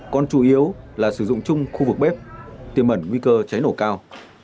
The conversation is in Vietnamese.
còn chủ yếu là sử dụng chung khu vực bếp tiềm ẩn nguy cơ cháy nổ cao